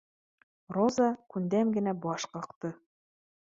Роза күндәм генә баш ҡаҡты: